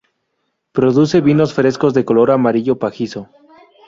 Produce vinos frescos de color amarillo pajizo.